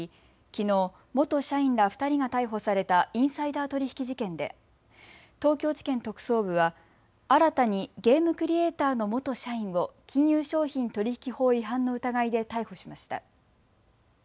きのう元社員ら２人が逮捕されたインサイダー取引事件で東京地検特捜部は新たにゲームクリエーターの元社員を金融商品取引法違反の疑いで逮捕しました。